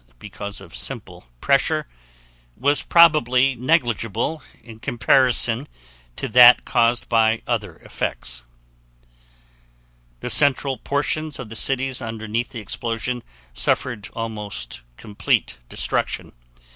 because of simple pressure) was probably negligible in comparison to that caused by other effects. The central portions of the cities underneath the explosions suffered almost complete destruction.